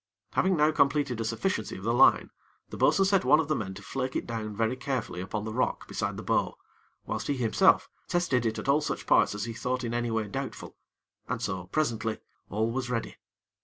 Having now completed a sufficiency of the line, the bo'sun set one of the men to flake it down very carefully upon the rock beside the bow, whilst he himself tested it at all such parts as he thought in any way doubtful, and so, presently, all was ready.